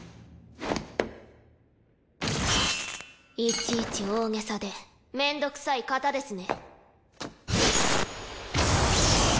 いちいち大げさでめんどくさい方ですね。